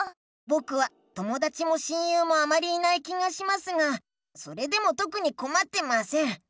ぼくはともだちも親友もあまりいない気がしますがそれでもとくにこまってません。